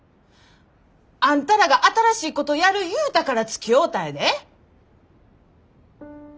あんたらが新しいことやる言うたからつきおうたんやで。